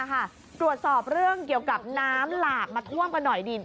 ตรวจสอบเรื่องเกี่ยวกับน้ำหลากมาท่วมกันหน่อยดิน